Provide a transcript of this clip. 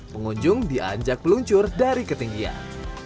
pengunjung diajak peluncur dari ketinggian